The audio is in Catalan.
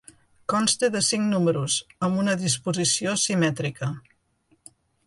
Consta de cinc números, amb una disposició simètrica.